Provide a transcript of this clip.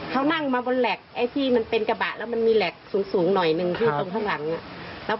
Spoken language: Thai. เขานั่งมาบนแหลกไอ้ที่มันเป็นกระบะแล้วมันมีแหลกสูงหน่อยหนึ่งที่ตรงข้างหลัง